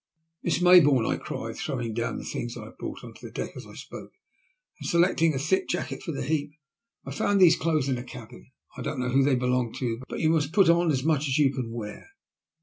'*Miss Mayboume," I cried, throwing down the things I had brought on the deck as I spoke, and selecting a thick jacket from the heap, '' I found these clothes in a cabin. I don't know who they belong to, but you must put on as much as you can wear."